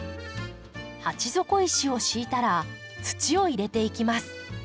鉢底石を敷いたら土を入れていきます。